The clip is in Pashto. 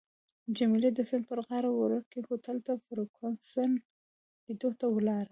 جميله د سیند پر غاړه وړوکي هوټل ته فرګوسن لیدو ته ولاړه.